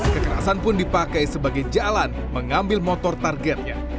kekerasan pun dipakai sebagai jalan mengambil motor targetnya